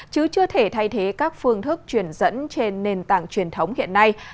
chứ chưa thể thay thế các phương thức truyền dẫn trên nền tảng truyền thống hiện nay